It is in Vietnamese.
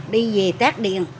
đi về tác điện